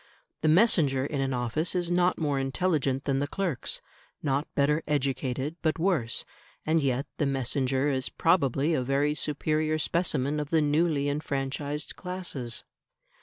The messenger in an office is not more intelligent than the clerks, not better educated, but worse; and yet the messenger is probably a very superior specimen of the newly enfranchised classes.